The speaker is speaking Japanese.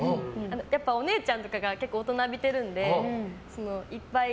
やっぱお姉ちゃんとかが結構大人びてるのでいっぱい